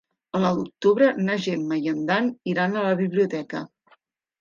El nou d'octubre na Gemma i en Dan iran a la biblioteca.